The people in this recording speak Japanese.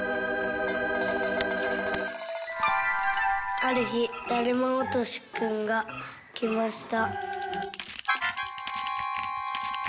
「あるひだるまおとしくんがきました」。